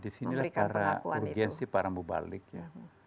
nah disinilah urgensi para mubalik ya